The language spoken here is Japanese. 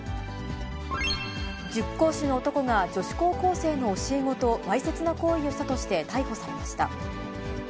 塾講師の男が、女子高校生の教え子とわいせつな行為をしたとして逮捕されました。